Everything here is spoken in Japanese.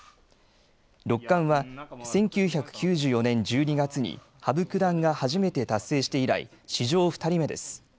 六冠は１９９４年１２月に羽生九段が初めて達成して以来史上２人目です。